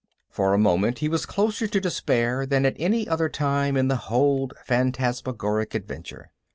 For a moment, he was closer to despair than at any other time in the whole phantasmagoric adventure.